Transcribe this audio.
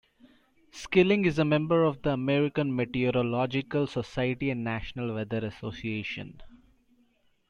Skilling is a member of the American Meteorological Society and National Weather Association.